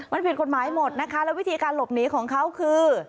มันผิดกฎหมายหมดนะคะแล้ววิธีการหลบหนีของเขาคือ